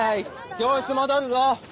教室戻るぞ。